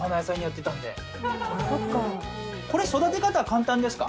これ育て方は簡単ですか？